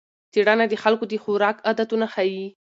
څېړنه د خلکو د خوراک عادتونه ښيي.